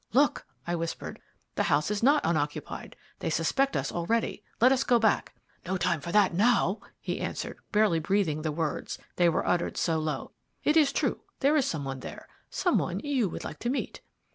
"Look!" I whispered, "the house is not unoccupied they suspect us already. Let us go back." "No time for that now," he answered, hardly breathing the words, they were uttered so low; "it is true there is some one there some one you would like to meet."